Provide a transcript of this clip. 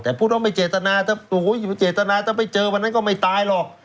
แต่พูดว่าไม่เจตนาถ้าเจตนาถ้าไม่เจอวันนั้นก็ไม่ตายหรอก